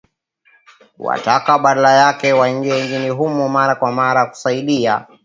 kuwataka badala yake waingie nchini humo mara kwa mara kusaidia